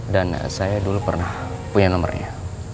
dan saya dulu pernah punya nomernya